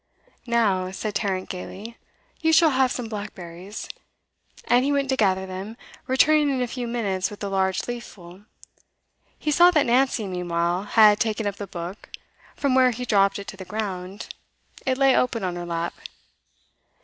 'Now,' said Tarrant, gaily, 'you shall have some blackberries. And he went to gather them, returning in a few minutes with a large leaf full. He saw that Nancy, meanwhile, had taken up the book from where he dropped it to the ground; it lay open on her lap.